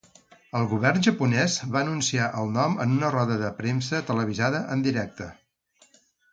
El govern japonès va anunciar el nom en una roda de premsa televisada en directe.